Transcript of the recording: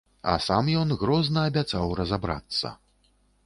А сам ён грозна абяцаў разабрацца.